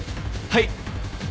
はい。